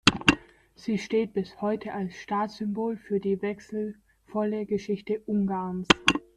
Sie steht bis heute als Staatssymbol für die wechselvolle Geschichte Ungarns.